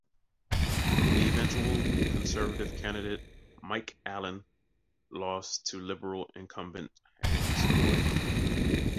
The eventual Conservative candidate, Mike Allen, lost to Liberal incumbent Andy Savoy.